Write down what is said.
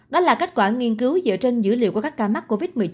đó là kết quả nghiên cứu dựa trên dữ liệu của các ca mắc covid một mươi chín